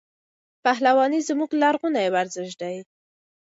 پهلواني زموږ لرغونی ورزش دی.